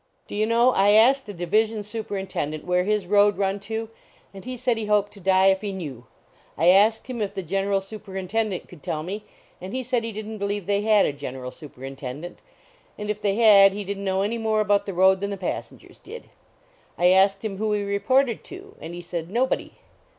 Do you know, I asked a division superin tendent where his road run to, and he said he hoped to die if he knew. I asked him if the general superintendent could tell me, and he said he didn t believe they had a general superintendent, and if they had, he didn t know any more about the road than the passengers did. I asked him who he reported to, and he said, " Nobody."